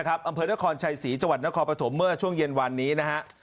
อำเภอนครชัยศรีจังหวัดนครปฐมเมื่อช่วงเย็นวันนี้นะฮะ